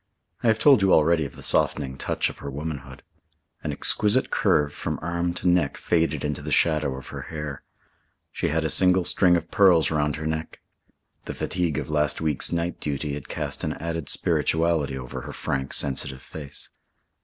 I have told you already of the softening touch of her womanhood. An exquisite curve from arm to neck faded into the shadow of her hair. She had a single string of pearls round her neck. The fatigue of last week's night duty had cast an added spirituality over her frank, sensitive face.